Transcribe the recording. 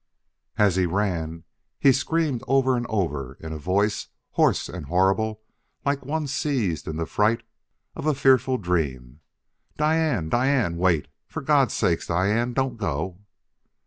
As he ran he screamed over and over, in a voice hoarse and horrible like one seized in the fright of a fearful dream: "Diane! Diane, wait! For God's sake, Diane, don't go!"